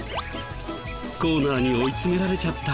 コーナーに追い詰められちゃった。